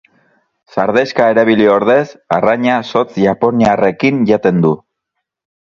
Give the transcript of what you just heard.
Sardexka erabili ordez arraina zotz japoniarrekin jaten du.